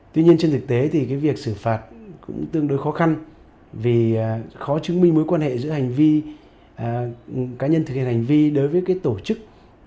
tuy nhiên trên thực tế thì việc xử phạt cũng tương đối khó khăn vì khó chứng minh mối quan hệ giữa hành vi cá nhân thực hiện hành vi đối với cái tổ chức